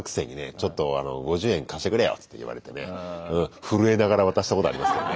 「ちょっと５０円貸してくれよ」って言われてね震えながら渡したことありますけどね。